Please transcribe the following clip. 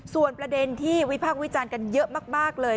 ส่วนประเด็นที่วิพากษ์วิจารณ์กันเยอะมากเลย